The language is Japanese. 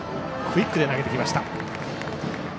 クイックで投げました。